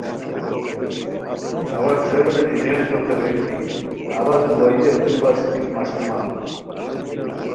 اوا ٹریول ایجنٹوتے ریم کی اوا دوبئیہ جو بس بیک مݰکیمان